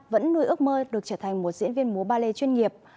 vẫn nuôi ước mơ được trở thành một diễn viên múa ballet chuyên nghiệp